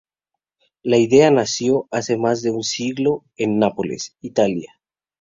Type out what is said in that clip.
La idea nació hace más de un siglo en Nápoles, Italia.